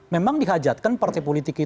memang dihajatkan partai politik